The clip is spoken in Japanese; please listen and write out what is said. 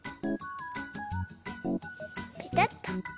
ペタッと。